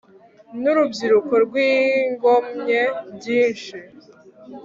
n'urubyiruko rwigomwe byinshi